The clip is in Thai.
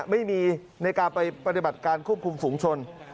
ไม่มีในการไปปฏิบัติการควบคุมฝุงชน